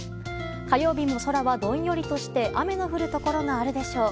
火曜日も空はどんよりとして雨の降るところがあるでしょう。